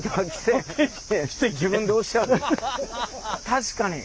確かに。